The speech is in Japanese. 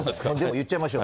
いっちゃいましょう。